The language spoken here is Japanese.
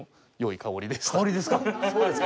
香りですか。